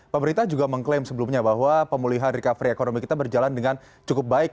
pemerintah juga mengklaim sebelumnya bahwa pemulihan recovery ekonomi kita berjalan dengan cukup baik